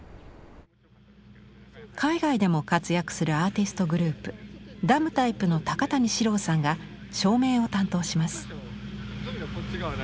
海外でも活躍するアーティストグループダムタイプの高谷史郎さんが照明を担当します。